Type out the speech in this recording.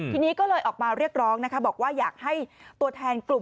ทีนี้ก็เลยออกมาเรียกร้องนะคะบอกว่าอยากให้ตัวแทนกลุ่ม